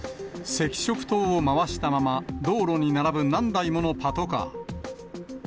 赤色灯を回したまま、道路に並ぶ何台ものパトカー。